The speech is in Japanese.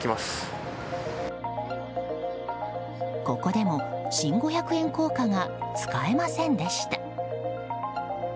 ここでも新五百円硬貨が使えませんでした。